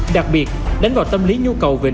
đặc biệt đánh vào tâm lý nhu cầu về niềm vui